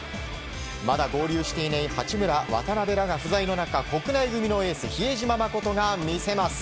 まだ合流していない八村、渡邊らが不在の中国内組のエース比江島慎が見せます。